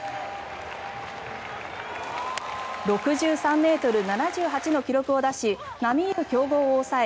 ６３ｍ７８の記録を出し並みいる強豪を抑え